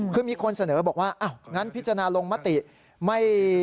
คือมีคนเสนอบอกว่าอ้าวงั้นพิจารณาลงมติไม่